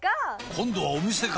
今度はお店か！